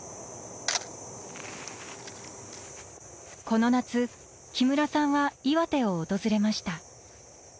この夏木村さんは岩手を訪れました。